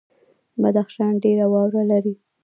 بدخشان ډیره واوره لري